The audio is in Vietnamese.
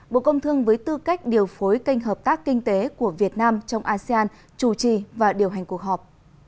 bộ công thương với tư cách điều phối kênh hợp tác kinh tế của việt nam trong asean chủ trì và điều hành cuộc họp